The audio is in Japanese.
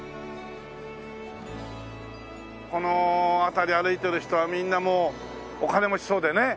この辺り歩いてる人はみんなもうお金持ちそうでね。